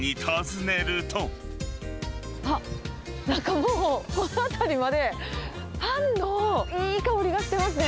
あっ、なんかもう、この辺りまで、パンのいい香りがしてますね。